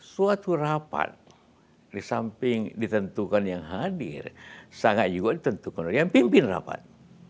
suatu rapat di samping ditentukan yang hadir sangat juga ditentukan oleh yang pimpin rapat